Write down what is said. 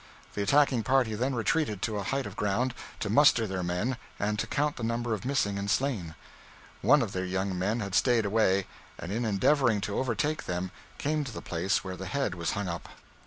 The attacking party then retreated to a height of ground, to muster their men, and to count the number of missing and slain. One of their young men had stayed away, and, in endeavoring to overtake them, came to the place where the head was hung up.